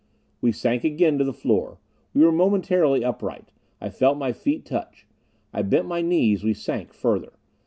We sank again to the floor. We were momentarily upright. I felt my feet touch. I bent my knees. We sank further.